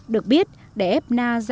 được biết để ép na ra quả gối vụ